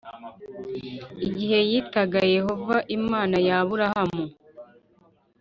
Igihe yitaga yehova imana ya aburahamu